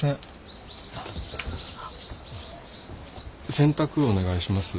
洗濯お願いします。